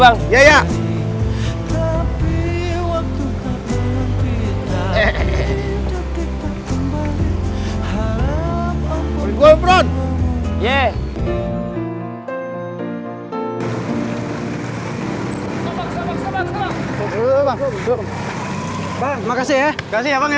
bang makasih ya kasih apa nggak